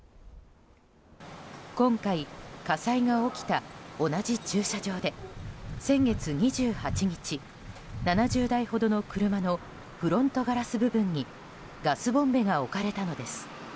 今回火災が起きた同じ駐車場で先月２８日、７０台ほどの車のフロントガラス部分にガスボンベが置かれたのです。